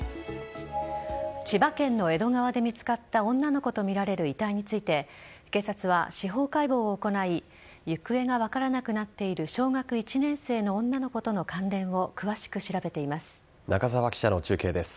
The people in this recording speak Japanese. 千葉県の江戸川で見つかった女の子とみられる遺体について警察は司法解剖を行い行方が分からなくなっている小学１年生の女の子との関連を詳しく調べています。